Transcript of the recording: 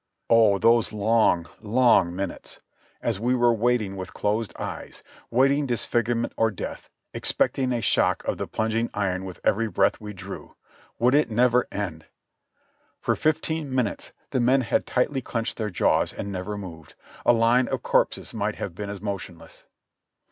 Oh those long, long minutes! as we were waiting with closed eyes, waiting disfigurement or death, expecting a shock of the plunging iron with every breath we drew ; would it never end ? For fifteen minutes the men had tightly clenched their jaws and never moved; a line of corpses might have been as motion less.